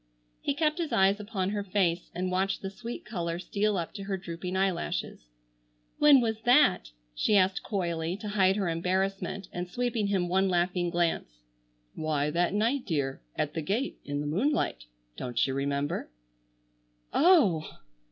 He kept his eyes upon her face and watched the sweet color steal up to her drooping eyelashes. "When was that?" she asked coyly, to hide her embarrassment, and sweeping him one laughing glance. "Why, that night, dear, at the gate, in the moonlight. Don't you remember?" "Oh h h h!"